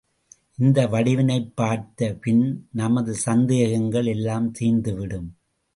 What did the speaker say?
இந்த வடிவினைப் பார்த்த பின் நமது சந்தேகங்கள் எல்லாம் தீர்ந்து விடும்.